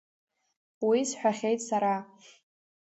Уи сҳәахьеит сара…